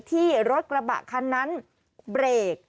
ที่รถกระบะคันนั้นเบรก